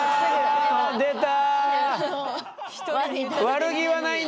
出た！